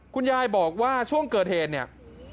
คุณยายบอกว่าช่วงเกิดเหตุเนี่ย